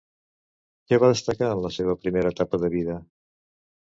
Què va destacar en la seva primera etapa de vida?